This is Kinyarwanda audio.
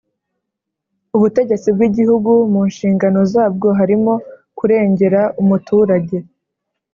ubutegetsi bw ‘Igihugu mu nshingano zabwo harimo kurengera umuturage.